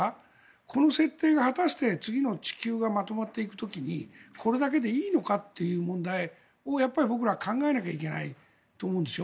この設定が果たして次の地球がまとまっていく時にこれだけでいいのかという問題をやっぱり僕らは考えないといけないと思うんですよ。